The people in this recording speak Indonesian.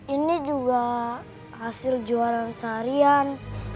ini juga hasil jualan seharian